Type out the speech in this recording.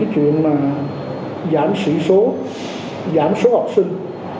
chuyện mà giảm sỉ số giảm số học sinh